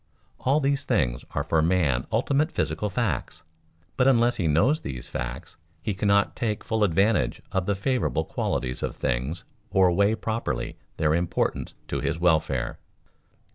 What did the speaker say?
All these things are for man ultimate physical facts, but unless he knows these facts he cannot take full advantage of the favorable qualities of things or weigh properly their importance to his welfare.